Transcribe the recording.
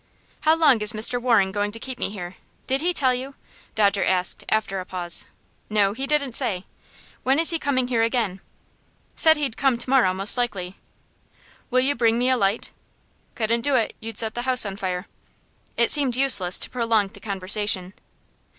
"How long is Mr. Waring going to keep me here? Did he tell you?" Dodger asked, after a pause. "No; he didn't say." "When is he coming here again?" "Said he'd come to morrow most likely." "Will you bring me a light?" "Couldn't do it. You'd set the house on fire." It seemed useless to prolong the conversation.